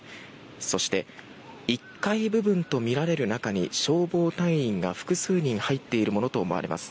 そして、１階部分とみられる中に消防隊員が複数人入っているものと思われます。